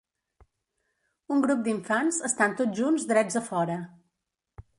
Un grup d'infants estan tots junts drets afora.